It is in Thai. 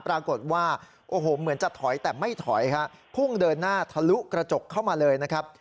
ปรากฏว่าโอ้โหเหมือนจะถอยแต่ไม่ถอยฮะพุ่งเดินหน้าทะลุกระจกเข้ามาเลยนะครับ